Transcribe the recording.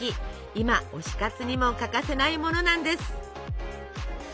今推し活にも欠かせないものなんです。